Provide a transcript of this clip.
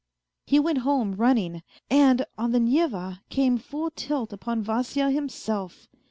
He went home running, and on the Neva came full tilt upon Vasya himself.